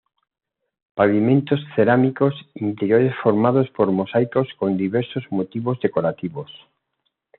Pavimentos cerámicos interiores formados por mosaicos con diversos motivos decorativos.